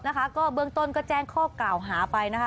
นะคะก็เบื้องต้นก็แจ้งข้อกล่าวหาไปนะคะ